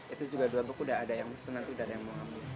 itu juga dua box udah ada yang senang udah ada yang mau ambil